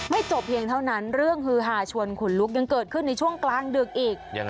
จบเพียงเท่านั้นเรื่องฮือฮาชวนขนลุกยังเกิดขึ้นในช่วงกลางดึกอีก